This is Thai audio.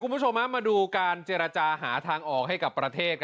คุณผู้ชมมาดูการเจรจาหาทางออกให้กับประเทศ